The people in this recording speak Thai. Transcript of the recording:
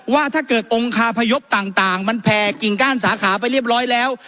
ว่าถ้าเกิดองค์คาพยพต่างมันแผ่กิ่งก้านสาขาไปเรียบร้อยแล้ว